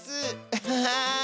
アハハー！